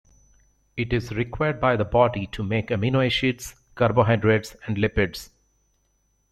It is required by the body to make amino acids, carbohydrates, and lipids.